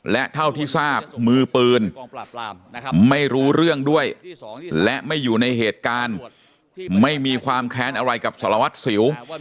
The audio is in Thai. และเท่าที่ทราบมือปืนไม่รู้เรื่องด้วยและไม่อยู่ในเหตุการณ์ไม่มีความแค้นอะไรกับสารวัตรสิว